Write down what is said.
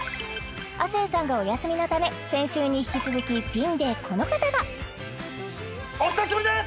亜生さんがお休みのため先週に引き続きピンでこの方がお久しぶりです